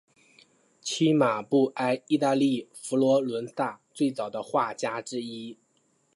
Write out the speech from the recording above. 契马布埃意大利佛罗伦萨最早的画家之一。